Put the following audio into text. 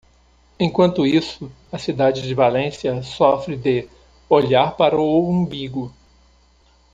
Enquanto isso, a cidade de Valência sofre de "olhar para o umbigo".